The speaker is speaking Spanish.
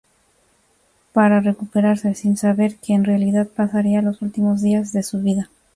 Para recuperarse, sin saber que en realidad pasaría los últimos días de su vida.